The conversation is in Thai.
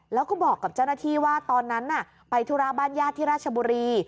แล้วก็บอกกับเจ้าหน้าที่ว่าตอนนั้นน่ะไปธุระบ้านญาติที่ราชบุรี